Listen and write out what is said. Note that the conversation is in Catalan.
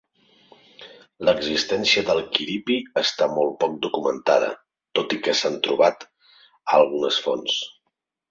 L'existència del quiripi està molt poc documentada, tot i que s'han trobat algunes fonts.